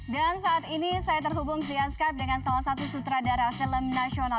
dan saat ini saya terhubung via skype dengan salah satu sutradara film nasional